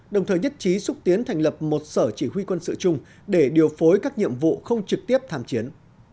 đồng thời nhất trí xúc tiến thành lập một sở chỉ huy quân sự chung để điều phối các nhiệm vụ không trực tiếp tham chiến